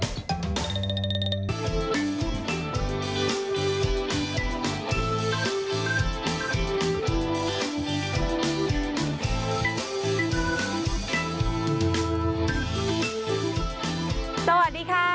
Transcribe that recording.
สวัสดีค่ะ